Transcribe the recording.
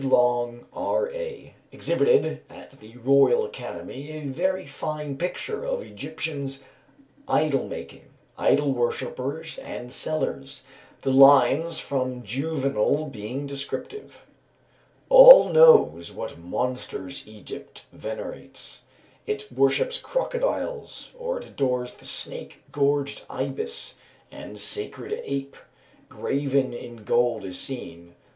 Long, R.A., exhibited at the Royal Academy a very fine picture of Egyptians idol making, idol worshippers and sellers; the lines from Juvenal being descriptive: "All know what monsters Egypt venerates; It worships crocodiles, or it adores The snake gorged ibis; and sacred ape Graven in gold is seen